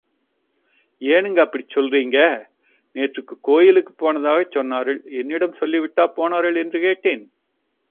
ஏனுங்க அப்படிச் சொல்றீங்க? நேற்றுக் கோயிலுக்குப் போனதாகச் சொன்னார்கள் என்னிடம் சொல்லிவிட்டா போனார்கள் என்று கேட்டேன்.